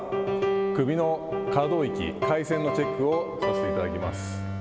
首の可動域改善のチェックをさせていただきます。